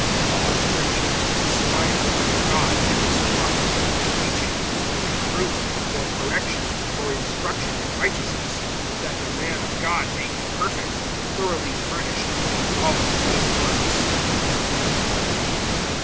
(16)All Scripture is inspired by God, and is profitable[3:16] for teaching, for reproof, for correction, for instruction in righteousness; (17)that the man of God may be perfect, thoroughly furnished unto all good works.